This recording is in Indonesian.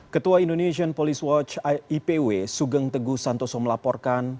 ketua indonesian police watch ipw sugeng teguh santoso melaporkan